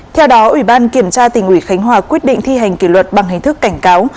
theo đó ủy ban kiểm tra tỉnh ủy khánh hòa quyết định thi hành kỷ luật bằng hình thức cảnh cáo